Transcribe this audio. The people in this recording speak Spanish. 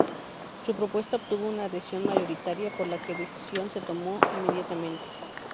Su propuesta obtuvo una adhesión mayoritaria, por lo que la decisión se tomó inmediatamente.